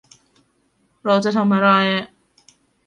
เราจะทำอะไร